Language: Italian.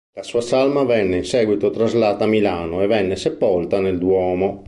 La sua salma venne in seguito traslata a Milano e venne sepolta nel Duomo.